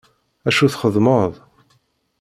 Acu txeddmeḍ!